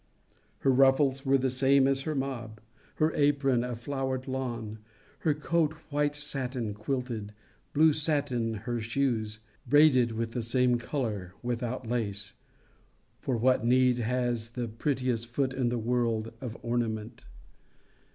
Her ruffles were the same as her mob. Her apron a flowered lawn. Her coat white sattin, quilted: blue sattin her shoes, braided with the same colour, without lace; for what need has the prettiest foot in the world of ornament?